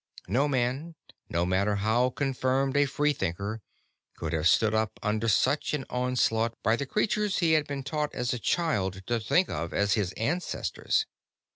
No man, no matter how confirmed a free thinker, could have stood up under such an onslaught by the creatures he had been taught as a child to think of as his ancestors.